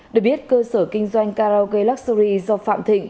được biết cơ sở kinh doanh karaoke luxury do phạm thịnh